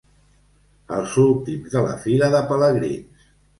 Els últims de la fila de pelegrins.